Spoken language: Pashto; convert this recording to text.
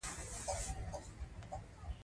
پښتو ژبه مو په دې پوهه کې مرسته کوي.